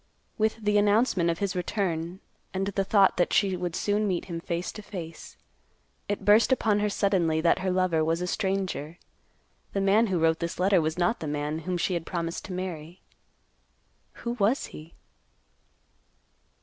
With the announcement of his return, and the thought that she would soon meet him face to face, it burst upon her suddenly that her lover was a stranger. The man who wrote this letter was not the man whom she had promised to marry. Who was he?